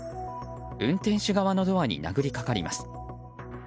運転手側のドアに殴りかかります。